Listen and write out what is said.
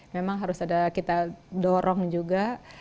memang harus ada kita dorong juga